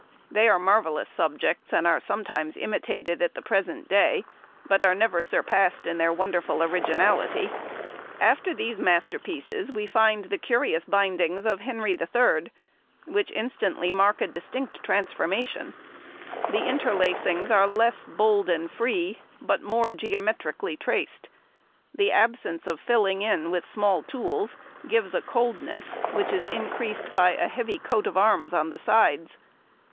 They are marvellous subjects, and are sometimes imitated at the present day, but are never surpassed in their wonderful originality. [Illustration: Le Gascon.] [Illustration: DEROME. 4^{to} T. Way, Photo lith.] After these masterpieces we find the curious bindings of Henry III., which instantly mark a distinct transformation. The interlacings are less bold and free, but more geometrically traced. The absence of filling in with small tools gives a coldness, which is increased by a heavy coat of arms on the sides.